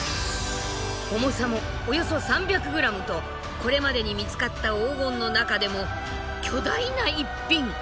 重さもおよそ３００ｇとこれまでに見つかった黄金の中でも巨大な一品。